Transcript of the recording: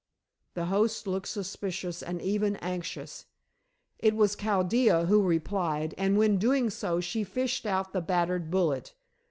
The host looked suspicious and even anxious. It was Chaldea who replied, and when doing so she fished out the battered bullet.